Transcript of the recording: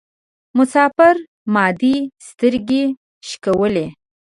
مسافره ما دي سترګي شکولولې